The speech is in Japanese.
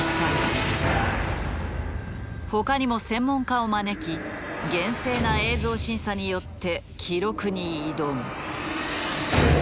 他にも専門家を招き厳正な映像審査によって記録に挑む。